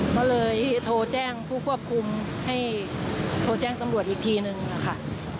ก็เลยโทรแจ้งผู้ควบคุมให้โทรแจ้งตำรวจอีกทีนึงนะคะ